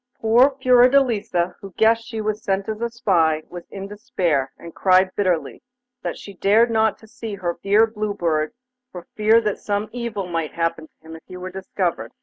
Poor Fiordelisa, who guessed she was sent as a spy, was in despair, and cried bitterly that she dared not see her dear Blue Bird for fear that some evil might happen to him if he were discovered.